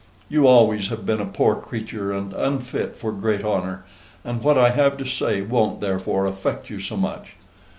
You always have been a poor creature and unfit for great honor, and what I have to say won't, therefore, affect you so much.